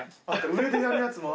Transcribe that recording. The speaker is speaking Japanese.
上でやるやつも。